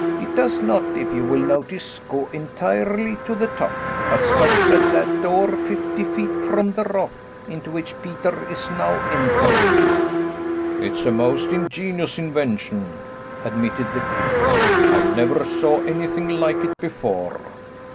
It does not, if you will notice, go entirely to the top, but stops at that door, fifty feet from the rock, into which Peter is now entering." "It is a most ingenious invention," admitted the king. "I never saw anything like it before."